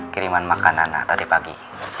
kiriman makanan tadi pagi